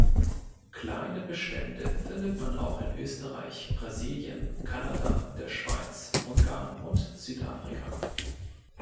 Kleine Bestände findet man auch in Österreich, Brasilien, Kanada, der Schweiz, Ungarn und Südafrika.